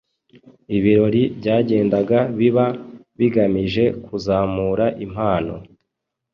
ibirori byagendaga biba bigamije kuzamura impano